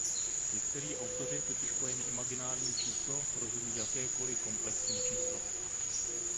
Někteří autoři totiž pojmem imaginární číslo rozumí jakékoli komplexní číslo.